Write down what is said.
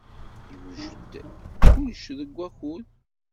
Yewjed-d kullec deg wakud.